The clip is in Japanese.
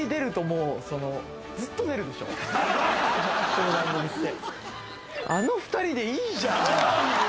この番組って。